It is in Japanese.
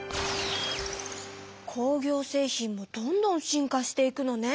工業製品もどんどん進化していくのね。